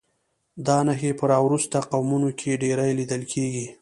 دا نښې په راوروسته قومونو کې ډېرې لیدل کېږي.